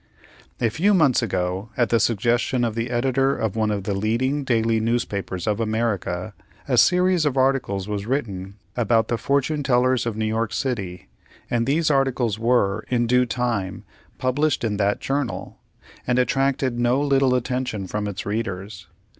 A few months ago, at the suggestion of the editor of one of the leading daily newspapers of America, a series of articles was written about the fortune tellers of New York city, and these articles were in due time published in that journal, and attracted no little attention from its readers.